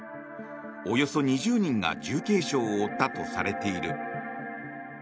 およそ２０人が重軽傷を負ったとされている。